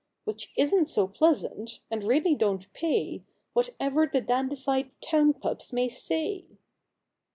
125 Which isn't so pleasant, and really don't pay, Whatever the dandified town pups may say."